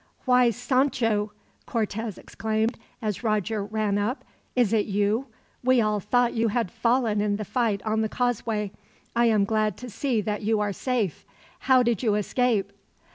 "Why, Sancho!" Cortez exclaimed, as Roger ran up. "Is it you? We all thought you had fallen in the fight on the causeway. I am glad to see that you are safe. How did you escape?"